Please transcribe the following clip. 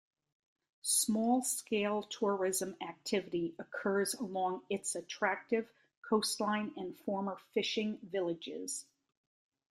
Small scale tourism activity occurs along its attractive coastline and former fishing villages.